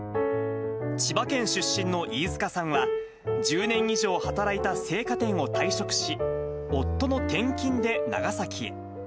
千葉県出身の飯塚さんは、１０年以上働いた生花店を退職し、夫の転勤で長崎へ。